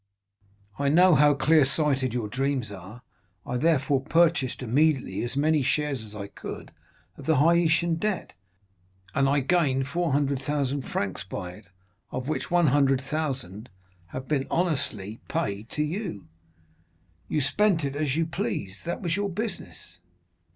I know how clear sighted your dreams are; I therefore purchased immediately as many shares as I could of the Haitian debt, and I gained 400,000 francs by it, of which 100,000 have been honestly paid to you. You spent it as you pleased; that was your business.